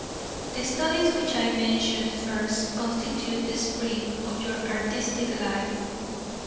The studies which I mentioned first constitute the spring of your artistic life.